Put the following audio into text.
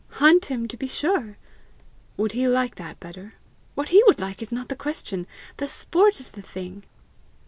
"Hunt him, to be sure." "Would he like that better?" "What he would like is not the question. The sport is the thing."